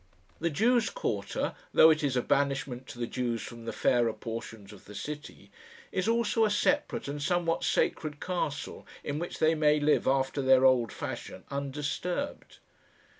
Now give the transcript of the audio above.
The Jews' quarter, though it is a banishment to the Jews from the fairer portions of the city, is also a separate and somewhat sacred castle in which they may live after their old fashion undisturbed.